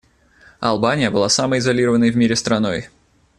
Албания была самой изолированной в мире страной.